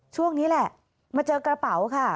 ช่วงนี้แหละมาเจอกระเป๋าค่ะ